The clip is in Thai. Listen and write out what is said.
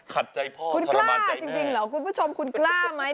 ขัดใจพ่อทรมานใจแม่คุณกล้าจริงเหรอคุณผู้ชมคุณกล้าไหม